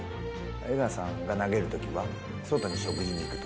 江川さんが投げるときは、外に食事に行くと。